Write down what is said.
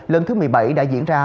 lần thứ một mươi bảy đã diễn ra